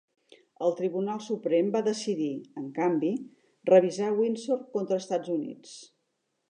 El Tribunal Suprem va decidir, en canvi, revisar "Windsor contra Estats Units".